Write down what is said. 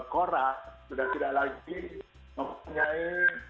kora sudah tidak lagi mempunyai